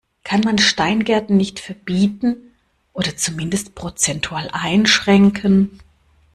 Kann man Steingärten nicht verbieten, oder zumindest prozentual einschränken?